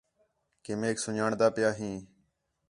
کہ میک سن٘ڄاݨن دا پیا ہی